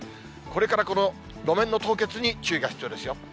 これからこの路面の凍結に注意が必要ですよ。